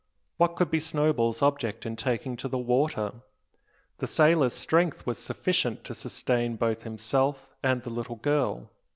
What could be Snowball's object in taking to the water? The sailor's strength was sufficient to sustain both himself and the little girl.